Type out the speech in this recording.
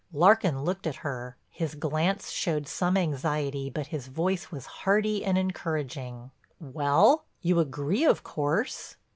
Larkin looked at her; his glance showed some anxiety but his voice was hearty and encouraging: "Well, you agree, of course?"